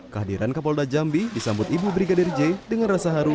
kehadiran kapolda jambi disambut ibu brigadir j dengan rasa haru